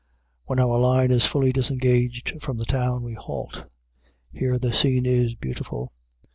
When our line is fully disengaged from the town, we halt. Here the scene is beautiful.